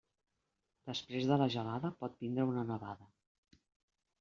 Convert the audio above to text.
Després de la gelada pot vindre una nevada.